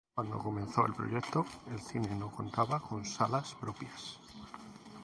Cuando comenzó el proyecto, el cine no contaba con salas propias.